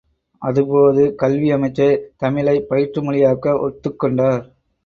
அதுபோது கல்வி அமைச்சர் தமிழைப் பயிற்றுமொழியாக்க ஒத்துக் கொண்டார்.